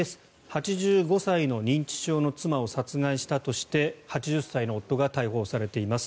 ８５歳の認知症の妻を殺害したとして８０歳の夫が逮捕されています。